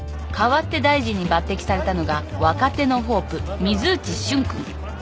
代わって大臣に抜てきされたのが若手のホープ水内俊君。